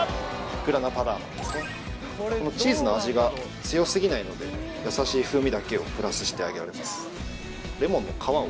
グラナパダーノですねチーズの味が強すぎないので優しい風味だけをプラスしてあげられます